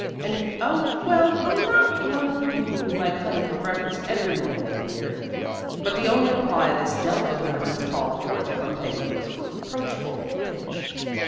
"And Oh, well, I'm not one of the people who like honey for breakfast every morning of the year." But the only reply this Delphic utterance called forth from Peggy was a reproachful pinch.